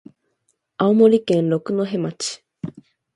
青森県六戸町